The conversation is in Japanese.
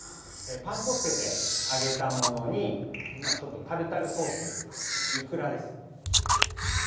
パン粉を付けて揚げたものにまあちょっとタルタルソースというかイクラです。